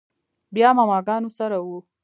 بيا ماما ګانو سره و.